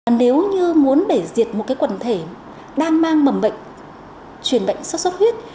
nếu như muốn bể diệt một cái quần thể đang mang mầm bệnh chuyển bệnh xuất xuất huyết